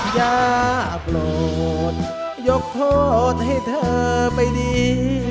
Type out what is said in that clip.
อย่าโปรดยกโทษให้เธอไปดี